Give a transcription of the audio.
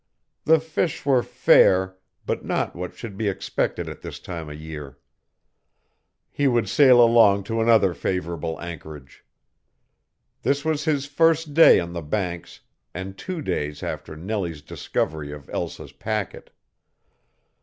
The fish were fair, but not what should be expected at this time of year. He would sail along to another favorable anchorage. This was his first day on the Banks and two days after Nellie's discovery of Elsa's packet.